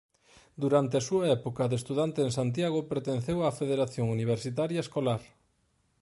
Durante a súa época de estudante en Santiago pertenceu á Federación Universitaria Escolar.